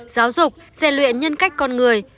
giáo dục dạy luyện nhân cách con người